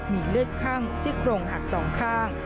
มีเลือดข้างซิกรงหักสองข้าง